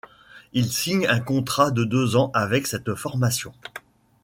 Il signe un contrat de deux ans avec cette formation.